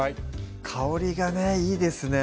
香りがねいいですね